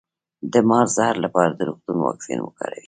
د مار د زهر لپاره د روغتون واکسین وکاروئ